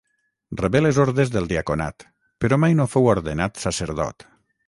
Rebé les ordes del diaconat, però mai no fou ordenat sacerdot.